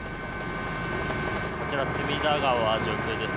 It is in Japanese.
こちら隅田川上空です。